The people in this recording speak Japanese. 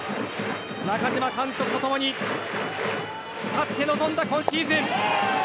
中嶋監督と共に誓って臨んだ今シーズン。